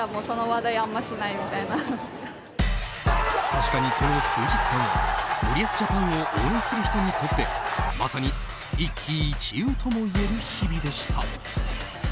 確かに、この数日間は森保ジャパンを応援する人にとってまさに一喜一憂ともいえる日々でした。